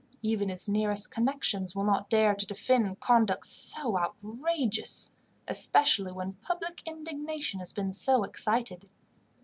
Even his nearest connections will not dare to defend conduct so outrageous, especially when public indignation has been so excited.